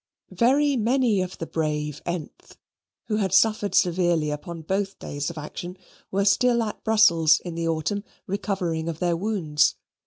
Very many of the brave th, who had suffered severely upon both days of action, were still at Brussels in the autumn, recovering of their wounds.